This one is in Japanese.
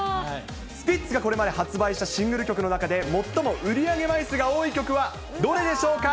スピッツがこれまで発売したシングル曲の中で、最も売り上げ枚数が多い曲はどれでしょうか。